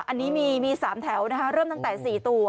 อันนี้มีมีโอเค๓แถวนะเริ่มตั้งแต่๔ตัว